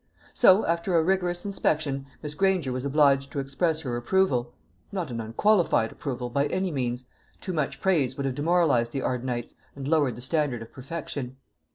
So, after a rigorous inspection, Miss Granger was obliged to express her approval not an unqualified approval, by any means. Too much praise would have demoralized the Ardenites, and lowered the standard of perfection.